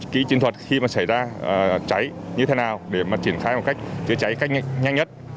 kỹ chiến thuật khi mà xảy ra cháy như thế nào để mà triển khai một cách chữa cháy cách nhanh nhất